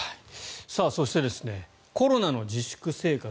そしてコロナの自粛生活